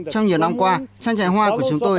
trong nhiều năm qua trang trại hoa của chúng tôi